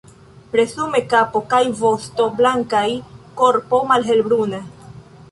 Resume kapo kaj vosto blankaj, korpo malhelbruna.